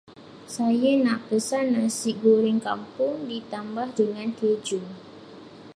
Saya nak pesan Nasi goreng kampung ditambah dengan keju.